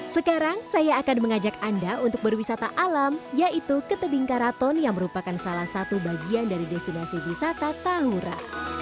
sekarang saya akan mengajak anda untuk berwisata alam yaitu ke tebing karaton yang merupakan salah satu bagian dari destinasi wisata tahura